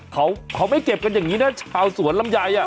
เขาไม่เก็บกันอย่างนี้นะชาวสวนลำไยอ่ะ